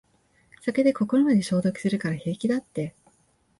酒で心まで消毒するから平気だって